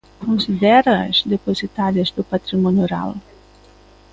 Considéraas depositarias do patrimonio oral.